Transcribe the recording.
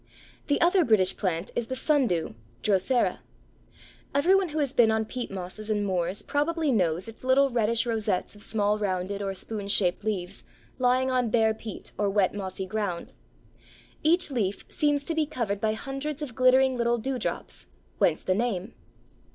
The other British plant is the Sundew (Drosera). Every one who has been on peat mosses and moors probably knows its little reddish rosettes of small rounded or spoon shaped leaves lying on bare peat or wet mossy ground. Each leaf seems to be covered by hundreds of glittering little dewdrops (whence the name).